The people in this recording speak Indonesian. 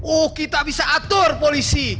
oh kita bisa atur polisi